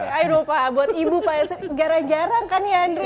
ayo dong pak buat ibu pak garang garang kan ya andre ya